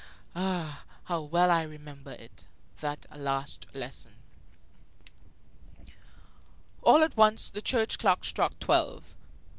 Ah, how well I remember it, that last lesson! All at once the church clock struck twelve.